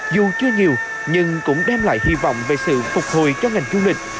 dù chưa nhiều nhưng cũng đem lại hy vọng về sự phục hồi cho ngành du lịch